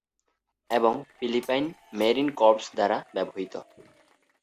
এবং Philippine Marine Corps দ্বারা ব্যবহৃত।